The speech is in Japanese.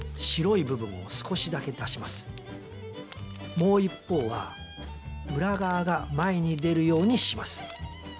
もう一方は裏側が前に出るようにします。